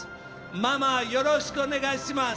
ママ、よろしくお願いします！